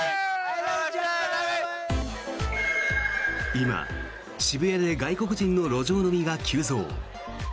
今、渋谷で外国人の路上飲みが急増。